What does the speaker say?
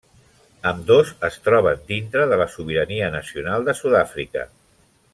Ambdós es troben dintre de la sobirania nacional de Sud-àfrica.